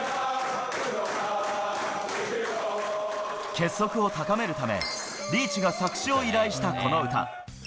結束を高めるため、リーチが作詞を依頼したこの歌。